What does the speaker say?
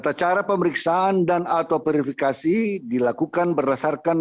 tata cara pemeriksaan dan atau verifikasi dilakukan berdasarkan